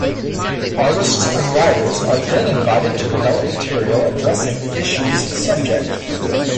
Artists and writers are then invited to develop material addressing the issue's subject.